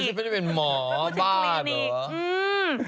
อุ๊ยฉันไม่ได้เป็นหมอบ้าเหรออืม